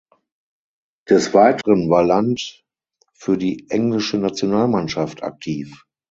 Des Weiteren war Land für die Englische Nationalmannschaft aktiv.